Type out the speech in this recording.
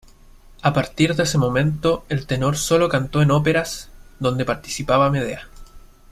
A partir de ese momento el tenor sólo cantó en óperas donde participaba Medea.